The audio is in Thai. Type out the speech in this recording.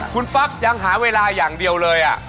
คุณป๊อกยังหาเวลาอย่างเดียวเลย